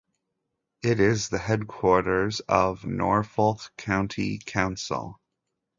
It is the headquarters of Norfolk County Council.